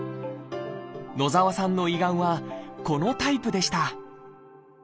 野澤さんの胃がんはこのタイプでした。